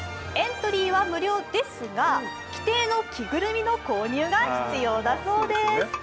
エントリーは無料ですが規定の着ぐるみの購入が必要だそうです。